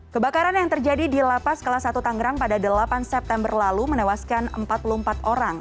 kebakaran yang terjadi di lapas kelas satu tangerang pada delapan september lalu menewaskan empat puluh empat orang